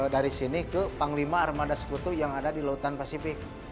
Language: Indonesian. dari sini ke panglima armada sekutu yang ada di lautan pasifik